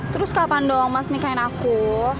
terus kapan dong mas nikahin aku